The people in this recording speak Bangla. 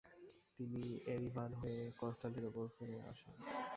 তিনি এরিভান হয়ে কনস্টান্টিনোপল ফিরে আসেন।